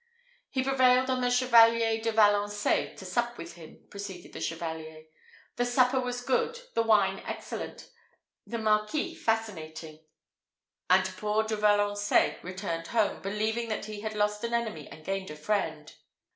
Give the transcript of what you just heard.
"He prevailed on the Chevalier de Valençais to sup with him," proceeded the Chevalier. "The supper was good, the wine excellent, the marquis fascinating; and poor De Valençais returned home, believing that he had lost an enemy and gained a friend.